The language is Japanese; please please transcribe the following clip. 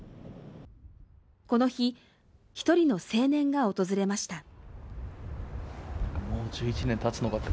この日、１人の青年が訪れました。